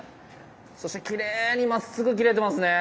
そしてきれいにまっすぐ切れてますね。